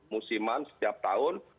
musiman setiap tahun